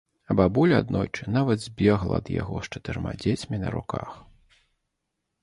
А бабуля аднойчы нават збегла ад яго з чатырма дзецьмі на руках.